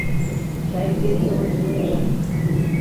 کاریگەری ئەوە زۆرە